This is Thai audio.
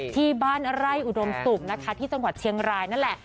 ที่บ้านไร่อุดมศุกร์นะคะที่จังหวัดเชียงรายนั่นแหละ